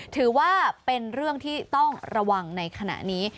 ถือว่าเป็นเรื่องที่ต้องระวังในขณะนี้